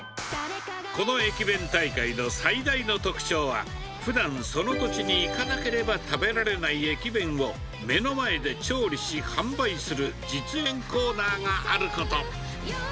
この駅弁大会の最大の特徴は、ふだん、その土地に行かなければ食べられない駅弁を、目の前で調理し販売する実演コーナーがあること。